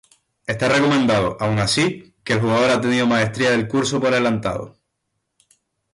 Está recomendado, aun así, que el jugador ha tenido maestría del curso por adelantado.